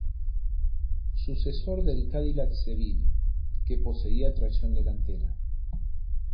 Sucesor del Cadillac Seville, que poseía tracción delantera.